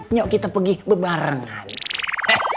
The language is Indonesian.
nyok kita pergi bebarengan